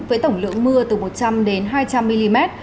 với tổng lượng mưa từ một trăm linh đến hai trăm linh mm